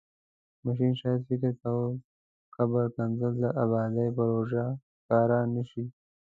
ماشین شاید فکر کاوه قبر کیندل د ابادۍ پروژه ښکاره نشي.